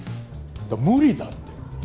無理だって。